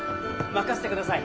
任せてください。